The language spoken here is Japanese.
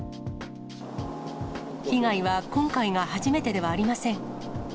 被害は今回が初めてではありません。